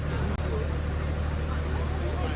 สวัสดีทุกคน